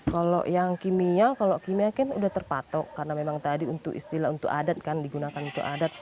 kalau yang kimia kalau kimia kan udah terpatok karena memang tadi untuk istilah untuk adat kan digunakan untuk adat